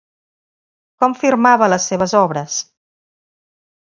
Com firmava les seves obres?